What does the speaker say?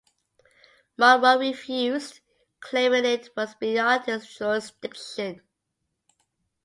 Monroe refused, claiming it was beyond his jurisdiction.